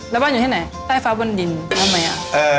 แล้วบ้านอยู่ที่ไหนใต้ฟ้าบนดินทำไมอ่ะ